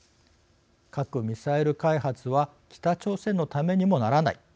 核・ミサイル開発は北朝鮮のためにもならない。